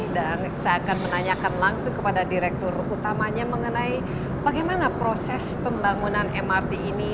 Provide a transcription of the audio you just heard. dan saya akan menanyakan langsung kepada direktur utamanya mengenai bagaimana proses pembangunan mrt ini